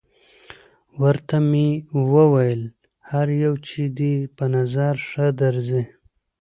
ورته ومې ویل: هر یو چې دې په نظر ښه درځي.